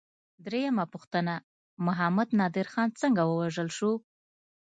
درېمه پوښتنه: محمد نادر خان څنګه ووژل شو؟